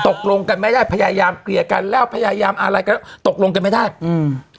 ตกลงกันไม่ได้พยายามเกลี่ยกันแล้วพยายามอะไรก็ตกลงกันไม่ได้อืม